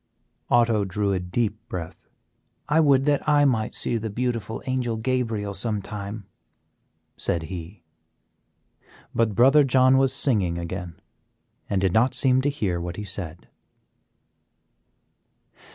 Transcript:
'" Otto drew a deep breath. "I would that I might see the beautiful Angel Gabriel sometime," said he; but Brother John was singing again and did not seem to hear what he said.